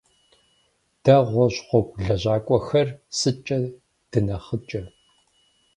Дэ, гъущӏ гъуэгу лэжьакӏуэхэр, сыткӏэ дынэхъыкӏэ?